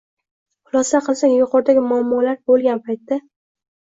Xulosa qilsak, yuqoridagi muammolar bo‘lgan paytda